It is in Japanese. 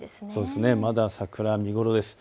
まだ桜、見頃です。